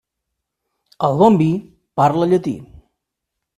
El bon vi parla llatí.